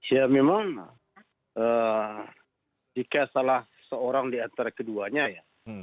ya memang jika salah seorang diantara keduanya ya